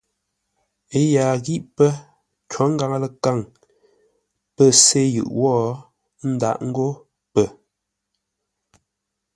Ə́ yaa ngí pə́, cǒ ngaŋə-ləkaŋ pə̂ sê yʉʼ wó, ə́ ndǎʼ ńgó pə.